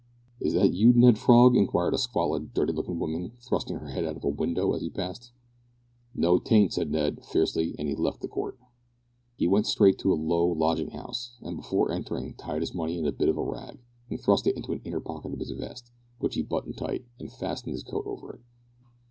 "Is that you, Ned Frog?" inquired a squalid, dirty looking woman, thrusting her head out of a window as he passed. "No, 'tain't," said Ned, fiercely, as he left the court. He went straight to a low lodging house, but before entering tied his money in a bit of rag, and thrust it into an inner pocket of his vest, which he buttoned tight, and fastened his coat over it.